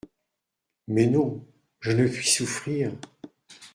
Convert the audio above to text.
Mais non… je ne puis souffrir…